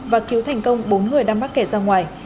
và cứu thành công bốn người đám bắt kẹt ra ngoài